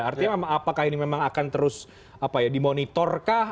artinya apakah ini memang akan terus dimonitorkah